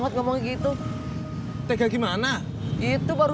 jangan marah tupur